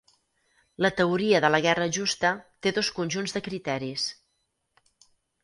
La teoria de la guerra justa té dos conjunts de criteris.